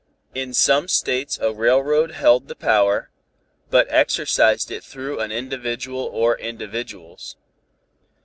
In some States a railroad held the power, but exercised it through an individual or individuals.